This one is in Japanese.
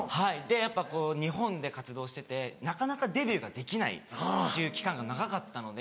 やっぱこう日本で活動しててなかなかデビューができないっていう期間が長かったので。